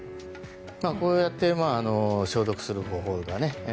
こうやって消毒する方法がね。